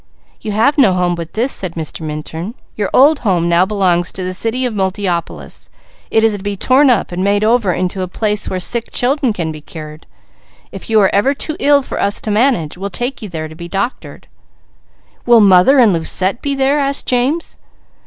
"You have no home but this," said Mr. Minturn. "Your old home now belongs to the city of Multiopolis. It is to be torn up and made over into a place where sick children can be cured. If you are ever too ill for us to manage, we'll take you there to be doctored." "Will mother and Lucette be there?" asked James.